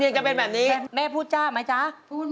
คุณแม่แม่พูดจ้า